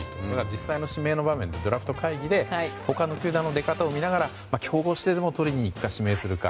実際の指名の場面でドラフト会議で他の球団の出方を見ながら競合しているのを取りに行くか指名するのか。